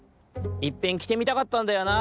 いっぺんきてみたかったんだよな。